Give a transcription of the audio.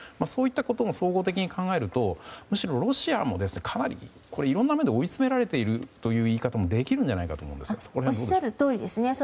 そういったことを総合的に考えるとむしろロシアもかなりいろんな面で追い詰められているという言い方もできるんじゃないかと思うんですがおっしゃるとおりですね。